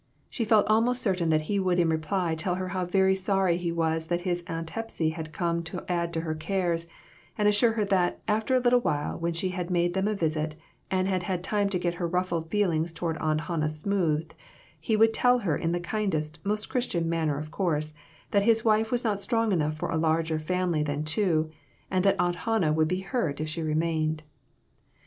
She felt almost certain that he would in reply tell her how very sorry he was that his Aunt Hepsy had come to add to her cares, and assure her that, after a little, when she had made them a visit and had had time to get her ruffled feelings toward Aunt Han nah smoothed, he would tell her in the kindest, most Christian manner, of course, that his wife was not strong enough for a larger family than two, and that Aunt Hannah would be hurt if she remained.